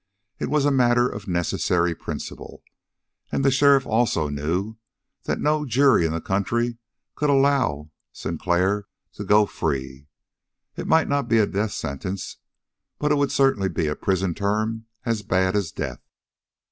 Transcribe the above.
It was a matter of necessary principle; and the sheriff also knew that no jury in the country could allow Sinclair to go free. It might not be the death sentence, but it would certainly be a prison term as bad as death.